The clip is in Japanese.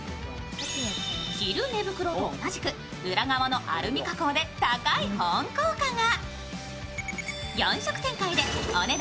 着る寝袋と同じく裏側のアルミ加工で高い保温効果が。